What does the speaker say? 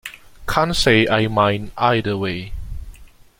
Can't say I mind either way.